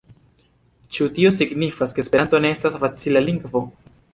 Ĉu tio signifas, ke Esperanto ne estas facila lingvo?